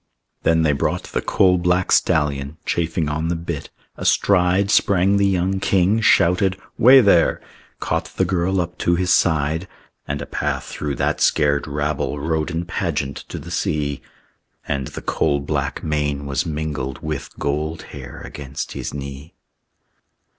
Then they brought the coal black stallion, Chafing on the bit. Astride Sprang the young king; shouted, "Way there!" Caught the girl up to his side; And a path through that scared rabble Rode in pageant to the sea. And the coal black mane was mingled With gold hair against his knee.